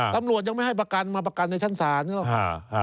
ตำรวจยังไม่ให้ประกันมาประกันในชั้นศาลเนี่ยแล้วค่ะ